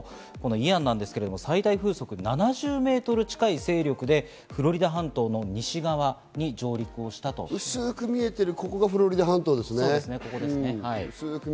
イアンなんですけれども、最大風速７０メートル近い勢力で、フロリダ半島の西側に薄く見えてる、ここがフロリダ半島ですね。